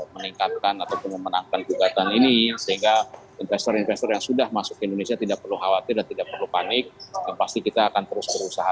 meningkatkan ataupun memenangkan gugatan ini sehingga investor investor yang sudah masuk ke indonesia tidak perlu khawatir dan tidak perlu panik yang pasti kita akan terus berusaha